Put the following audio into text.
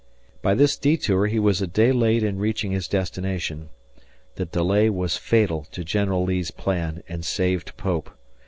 By this detour he was a day late in reaching his destination. The delay was fatal to General Lee's plan and saved Pope.